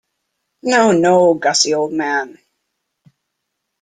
No, no, Gussie, old man.